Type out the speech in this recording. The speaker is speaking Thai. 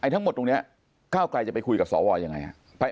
ทั้งหมดตรงนี้ก้าวไกลจะไปคุยกับสวยังไงฮะ